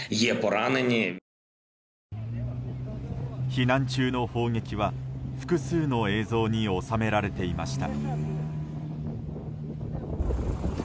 避難中の砲撃は複数の映像に収められていました。